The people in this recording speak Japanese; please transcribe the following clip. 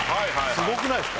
すごくないですか？